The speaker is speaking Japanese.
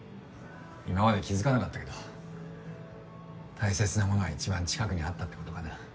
今まで気付かなかったけど大切なものは一番近くにあったってことかな。